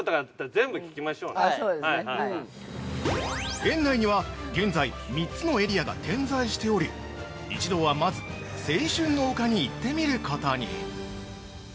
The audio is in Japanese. ◆園内には現在３つのエリアが点在しており一同はまず青春の丘に行ってみることに。